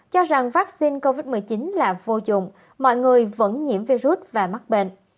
cho rằng vaccine covid một mươi chín là vô dụng mọi người vẫn nhiễm virus và mắc bệnh